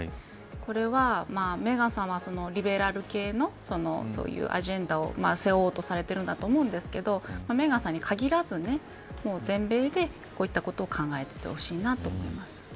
これはメーガンさんはリベラル系のそういうアジェンダを背負おうとされているんだと思うんですけどメーガンさんに限らず全米でこういったことを考えていってほしいともいます。